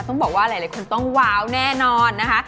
ต้องบอกว่าหลายคนต้องว้าวแน่นอนนะคะ